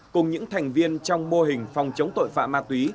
cùng những thành viên trong mô hình phòng chống tội phạm ma túy